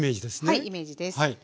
はいイメージです。